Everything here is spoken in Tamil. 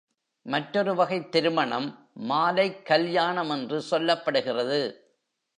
மற்றொரு வகைத் திருமணம் மாலைக் கல்யாணம் என்று சொல்லப்படுகிறது.